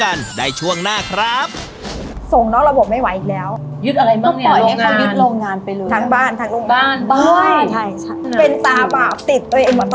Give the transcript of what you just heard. เพราะใช้น้ำสุกที่ได้จากการต้มเหล็งมาต้องข้าวต่อ